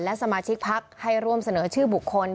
และสมาชิกพักให้ร่วมเสนอชื่อบุคคล